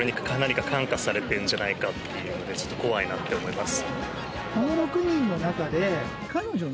っていうのでちょっと怖いなって思います。